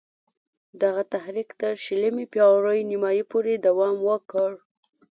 دغه تحریک تر شلمې پېړۍ نیمايی پوري دوام وکړ.